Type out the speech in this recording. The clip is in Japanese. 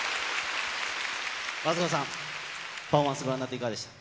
松岡さん、パフォーマンスご覧になっていかがでしたか。